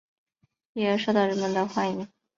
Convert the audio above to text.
因而受到人们的欢迎。